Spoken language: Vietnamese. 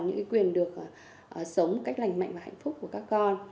những cái quyền được sống cách lành mạnh và hạnh phúc của các con